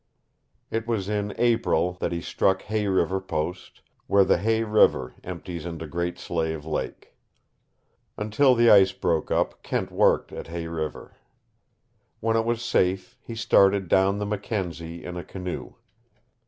It was in April that he struck Hay River Post, where the Hay River empties into Great Slave Lake. Until the ice broke up, Kent worked at Hay River. When it was safe, he started down the Mackenzie in a canoe.